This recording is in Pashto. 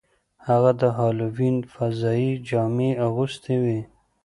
هغه د هالووین فضايي جامې اغوستې وې